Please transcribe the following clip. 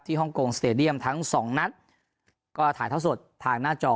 ฮ่องกงสเตดียมทั้งสองนัดก็ถ่ายเท่าสดทางหน้าจอ